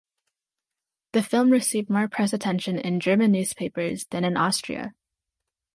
The film received more press attention in German newspapers than in Austria.